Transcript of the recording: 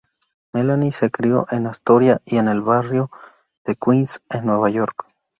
Melanie se crió en Astoria, en el barrio de Queens en Nueva York.